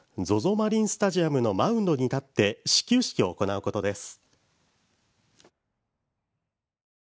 マリンスタジアムのマウンドに立って始球式を行うことです。